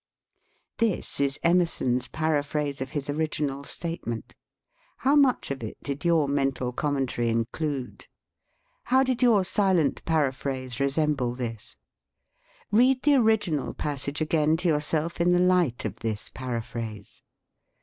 This is Emerson's paraphrase of his original statement. How much of it did your mental commentary include? How did your silent paraphrase resemble this ? Read the original passage again to yourself in the light of this paraphrase.